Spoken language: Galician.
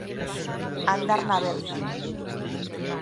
Andar na verza.